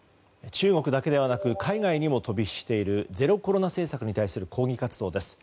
中国だけではなく海外にも飛び火しているゼロコロナ政策に対する抗議活動です。